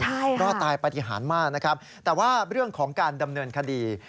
ใช่ค่ะรอดตายปฏิหารมากนะครับแต่ว่าเรื่องของการดำเนินคดี